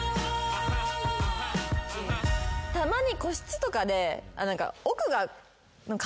たまに個室とかで奥が。